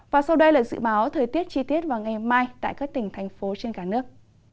và sau đây là dự báo thời tiết chi tiết vào ngày mai tại các tỉnh thành phố trên cả nước